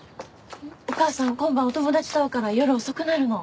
お母さん今晩お友達と会うから夜遅くなるの。